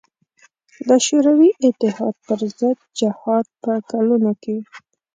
له شوروي اتحاد پر ضد جهاد په کلونو کې.